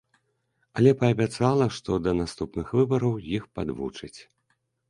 Але паабяцала, што да наступных выбараў іх падвучаць.